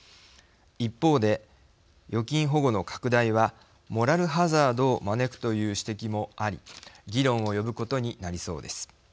一方で預金保護の拡大はモラルハザードを招くという指摘もあり議論を呼ぶことになりそうです。